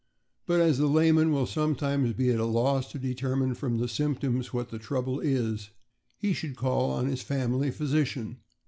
But as the layman will sometimes be at a loss to deter mine from the symptoms what the trouble is, he should call on his family physician.